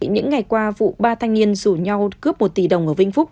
những ngày qua vụ ba thanh niên rủ nhau cướp một tỷ đồng ở vĩnh phúc